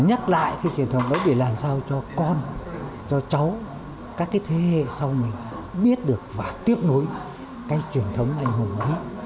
nhắc lại cái truyền thống đấy để làm sao cho con cho cháu các cái thế hệ sau mình biết được và tiếp nối cái truyền thống anh hùng ấy